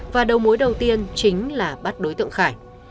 và đầu mối đầu tiên chính là bắt đối tượng khải